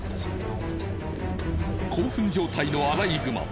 興奮状態のアライグマ。